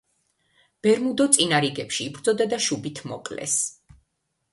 ბერმუდო წინა რიგებში იბრძოდა და შუბით მოკლეს.